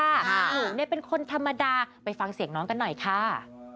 หนูเนี่ยเป็นคนธรรมดาไปฟังเสียงน้องกันหน่อยค่ะ